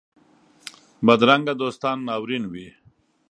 بدرنګه دوستان ناورین وي